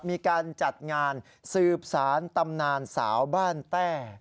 มีการจัดงานสืบสารตำนานสาวบ้านแต้